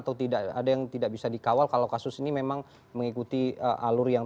atau tidak ada yang tidak bisa dikawal kalau kasus ini memang mengikuti alur yang